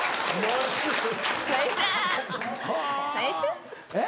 えっ？